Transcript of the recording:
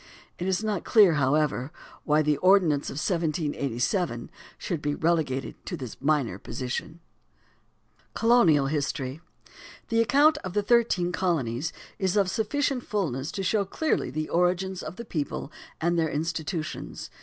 It is not clear, however, why the Ordinance of 1787 should be relegated to this minor position (p. 189). Colonial History. The account of the thirteen colonies is of sufficient fulness to show clearly the origins of the people and their institutions.